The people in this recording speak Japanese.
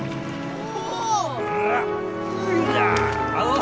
お！